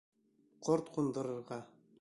Ҡорт ҡундырырға.